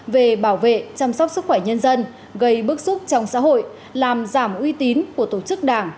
về bảo vệ chăm sóc sức khỏe nhân dân gây bức xúc trong xã hội làm giảm uy tín của tổ chức đảng